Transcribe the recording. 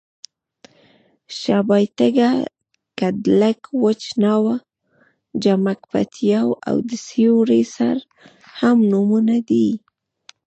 شابېتکه، کډلک، وچ ناو، جامک پېتاو او د سیوري سر هم نومونه دي.